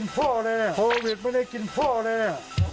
โพวิดไม่ได้กินพ่อเลยนะ